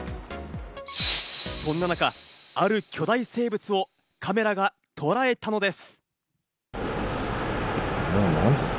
そんな中、ある巨大生物をカメラがとらえたのです。